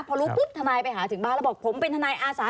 พอรู้ปุ๊บทนายไปหาถึงบ้านแล้วบอกผมเป็นทนายอาสา